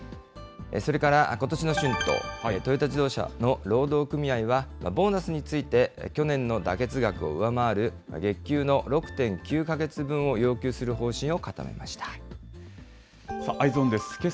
それから、ことしの春闘、トヨタ自動車の労働組合は、ボーナスについて、去年の妥結額を上回る、月給の６．９か月分を要求する方針を固めまＥｙｅｓｏｎです。